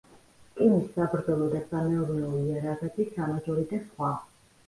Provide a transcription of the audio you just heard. რკინის საბრძოლო და სამეურნეო იარაღები, სამაჯური და სხვა.